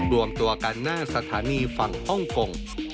รวมตัวกันหน้าสถานีฝั่งฮ่องกง